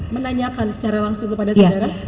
menanyakan secara langsung kepada saudara